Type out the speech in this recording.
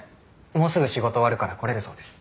もうすぐ仕事終わるから来れるそうです。